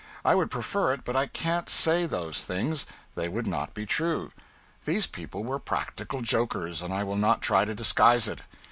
I would prefer it, but I can't say those things, they would not be true. These people were practical jokers, and I will not try to disguise it.